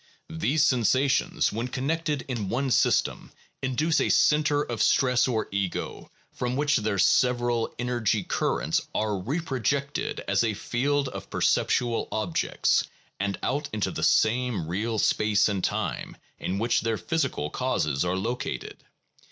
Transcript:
These sensations when connected in one system induce a center of stress or ego from which their several energy currents are repro jected as a field of perceptual objects and out into the same real space and time in which their physical causes are located.